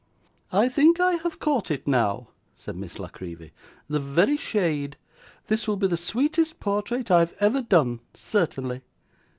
'I think I have caught it now,' said Miss La Creevy. 'The very shade! This will be the sweetest portrait I have ever done, certainly.